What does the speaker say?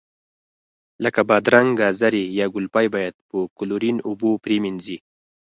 لکه بادرنګ، ګازرې یا ګلپي باید په کلورین اوبو پرېمنځي.